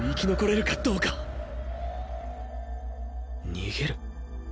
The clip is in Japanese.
「逃げる」？